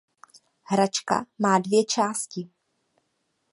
Hračka má dvě části.